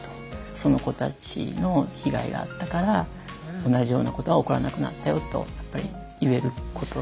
その子たちの被害があったから同じようなことが起こらなくなったよとやっぱり言えること